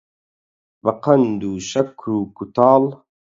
بەقەند و شەکر و کووتاڵ